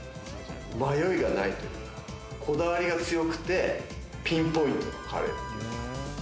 迷いがないというか、こだわりが強くてピンポイントのカレーというか。